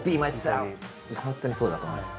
本当にそうだと思います。